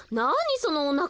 そのおなか。